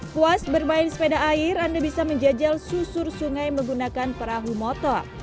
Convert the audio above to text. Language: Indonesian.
puas bermain sepeda air anda bisa menjajal susur sungai menggunakan perahu motor